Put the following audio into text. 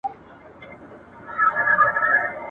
او ابۍ به دي له کوم رنځه کړیږي ..